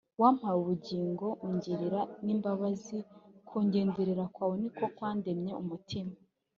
wampaye ubugingo ungirira n’imbabazi, kungenderera kwawe ni ko kwandemye umutima